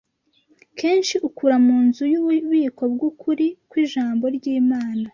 kenshi ukura mu nzu y’ububiko bw’ukuri kw’Ijambo ry’Imana.